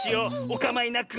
おかまいなく。